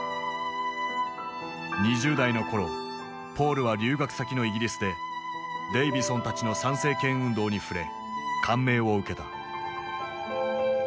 ２０代の頃ポールは留学先のイギリスでデイヴィソンたちの参政権運動に触れ感銘を受けた。